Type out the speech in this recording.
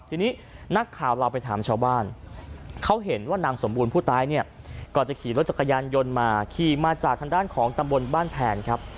ทีนี้นักข่าวเราไปถามชาวบ้านเขาเห็นว่านางสมบูรณ์ผู้ตายเนี่ยก่อนจะขี่รถจักรยานยนต์มาขี่มาจากทางด้านของตำบลบ้านแผนครับ